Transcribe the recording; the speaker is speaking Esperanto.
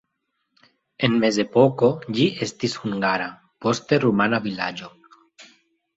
En mezepoko ĝi estis hungara, poste rumana vilaĝo.